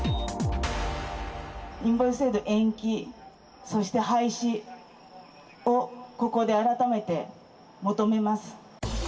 インボイス制度延期、そして廃止をここで改めて求めます。